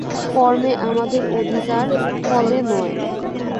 কর্মে আমাদের অধিকার, ফলে নয়।